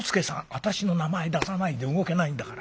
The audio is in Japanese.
「私の名前出さないで動けないんだから。